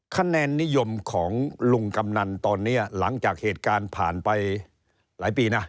คะแนนนิยมของลุงกำนันตอนนี้หลังจากเหตุการณ์ผ่านไปหลายปีนะ